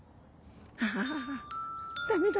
「ああ駄目だ。